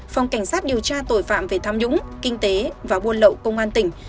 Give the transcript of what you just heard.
phòng cảnh sát điều tra tội phạm về tham nhũng kinh tế và buôn lậu công an tỉnh